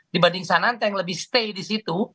dibanding sananta yang lebih stay di situ